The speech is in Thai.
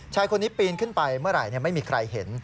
ชายคนนี้ปีนขึ้นไปเมื่อไหร่ไม่มีใครเห็น